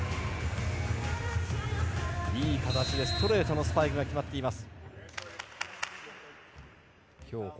いい形でストレートのスパイクが決まっています。